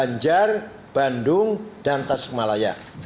dan jawa barat bandung dan tasikmalaya